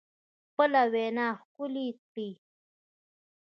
خپله وینا ښکلې کړئ